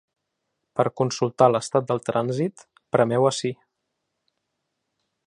Per consultar l’estat del trànsit, premeu ací.